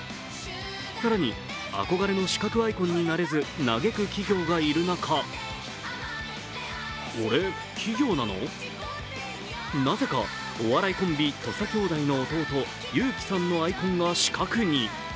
更に憧れの四角アイコンになれず嘆く企業がいる中なぜかお笑いコンビ、土佐兄弟の弟・有輝さんのアイコンが四角に。